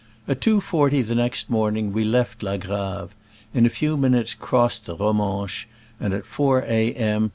At 2.40 the next morning we left La Grave, in a few minutes crossed the Ro manche, and at 4 A. m.